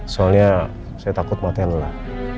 soalnya saya takut matanya lelah